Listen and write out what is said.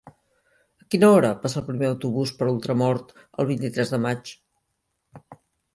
A quina hora passa el primer autobús per Ultramort el vint-i-tres de maig?